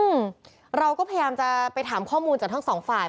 อืมเราก็พยายามจะไปถามข้อมูลจากทั้งสองฝ่าย